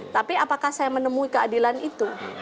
tapi apakah saya menemui keadilan itu